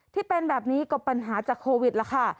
ที่เป็นแบบนี้ก็ปัญหาจากโควิดแล้วค่ะ